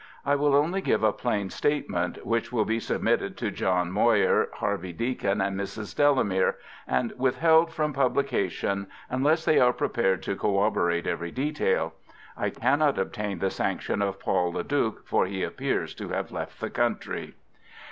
I will only give a plain statement, which will be submitted to John Moir, Harvey Deacon, and Mrs. Delamere, and withheld from publication unless they are prepared to corroborate every detail. I cannot obtain the sanction of Paul Le Duc, for he appears to have left the country.